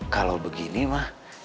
kalau begini ma